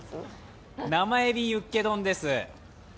生エビユッケ丼です。